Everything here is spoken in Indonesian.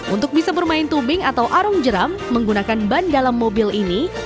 untuk bisa bermain tubing atau arung jeram menggunakan ban dalam mobil ini